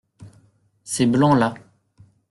Ces blancs-là.